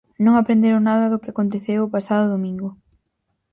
Non aprenderon nada do que aconteceu o pasado domingo.